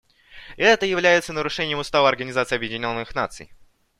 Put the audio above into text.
Это является нарушением Устава Организации Объединенных Наций.